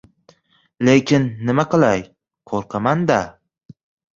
Lekin nima qilay, qo‘rqaman-da!